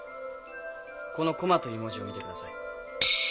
この「駒」という文字を見てください。